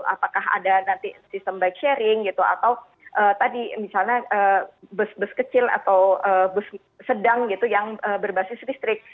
apakah ada nanti sistem bike sharing gitu atau tadi misalnya bus bus kecil atau bus sedang gitu yang berbasis listrik